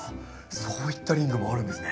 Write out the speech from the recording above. そういったリングもあるんですね。